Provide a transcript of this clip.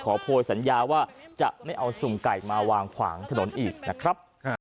โพยสัญญาว่าจะไม่เอาสุ่มไก่มาวางขวางถนนอีกนะครับ